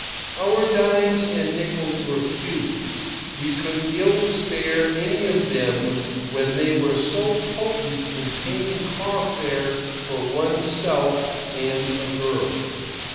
Our dimes and nickels were few. We could ill spare any of them when they were so potent in paying car fare for oneself and a girl.